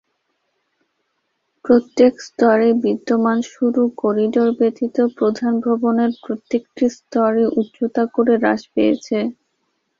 প্রত্যেক স্তরে বিদ্যমান সরু করিডর ব্যতীত প্রধান ভবনের প্রত্যেকটির স্তরের উচ্চতা করে হ্রাস পেয়েছে।